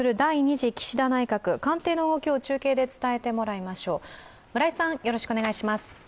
次岸田内閣、官邸の動きを中継で伝えてもらいましょう。